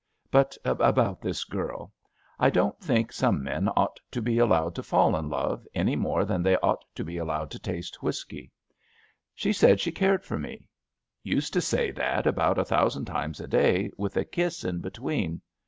But about this girl. I don't think some men ought to be allowed to fall in love any more than they ought to be allowed to taste whisky. She said she cared for me. Used to say that about a thousand times a day, with a kiss in between.